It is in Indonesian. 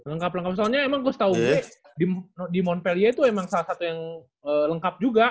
lengkap lengkap soalnya emang gue setahu di monpelia itu emang salah satu yang lengkap juga